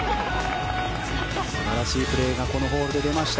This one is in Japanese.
素晴らしいプレーがこのホールで出ました。